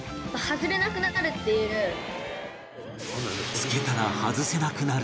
つけたら外せなくなる？